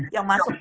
yang masuk tadi